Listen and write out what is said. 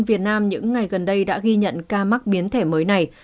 việt nam những ngày gần đây đã ghi nhận ca mắc biến thể mới này